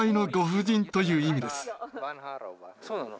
そうなの？